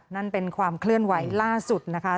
นั่นเป็นความเคลื่อนไหวล่าสุดนะคะ